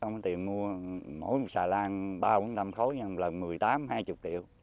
trong tiền mua mỗi một xà lan ba bốn năm khối là một mươi tám hai mươi triệu